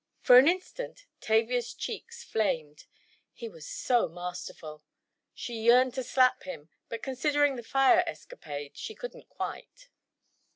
For an instant Tavia's cheeks flamed. He was so masterful! She yearned to slap him, but considering the fire escapade, she couldn't, quite.